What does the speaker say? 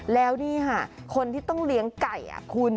แล้วนี่ค่ะคนที่ต้องเลี้ยงไก่คุณ